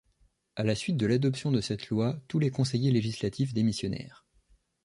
À la suite de l'adoption de cette loi tous les conseillers législatifs démissionnèrent.